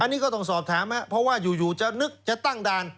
อันนี้ก็ต้องสอบถามครับเพราะว่าอยู่จะนึกจะตั้งด่าน